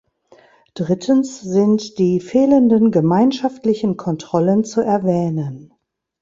Drittens sind die fehlenden gemeinschaftlichen Kontrollen zu erwähnen.